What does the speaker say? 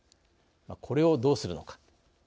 これをどうするのか。